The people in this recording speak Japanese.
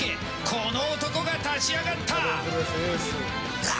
この男が立ち上がった！